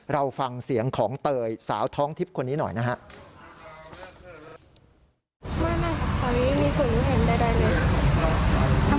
เราฟังเสียงของเตยสาวท้องทิพย์คนนี้หน่อยนะครับ